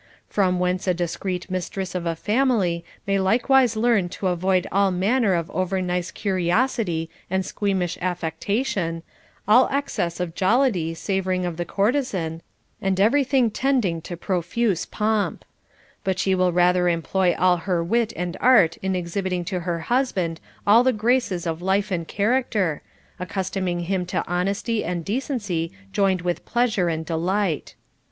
From whence a discreet mis tress of a family may likewise learn to avoid all manner of over nice curiosity and squeamish affectation, all excess of jollity savoring of the courtesan, and every thing tending to profuse pomp ; but she will rather employ all her wit and art in exhibiting to her husband all the graces of life and character, accustoming him to honesty and decency joined with pleasure and delight.